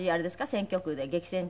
選挙区で激戦。